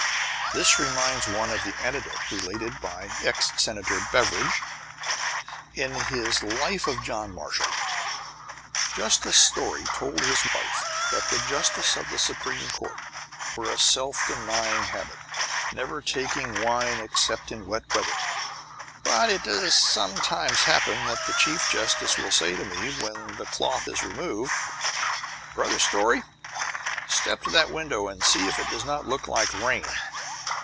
This reminds one of the anecdote related by ex Senator Beveridge in his Life of John Marshall. Justice Story told his wife that the justices of the Supreme Court were of a self denying habit, never taking wine except in wet weather. "But it does sometimes happen that the Chief Justice will say to me, when the cloth is removed, 'Brother Story, step to the window and see if it does not look like rain.'